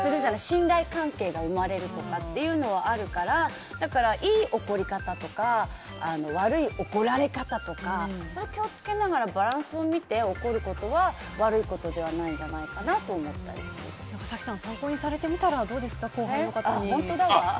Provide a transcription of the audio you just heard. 信頼関係が生まれるとかっていうのはあるからだから、いい怒り方とか悪い怒られ方とかそれを気を付けながらバランスを見て怒ることは悪いことじゃないんじゃないかなと早紀さん参考にされてみたらどうですか。